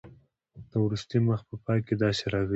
د وروستي مخ په پای کې داسې راغلي.